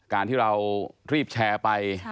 การที่เรารีบแชร์ไป